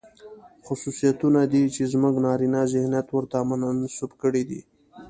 خصوصيتونه دي، چې زموږ نارينه ذهنيت ورته منسوب کړي دي.